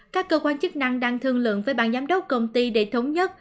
các cơ quan chức năng đang thương lượng với ban giám đốc công ty để thống nhất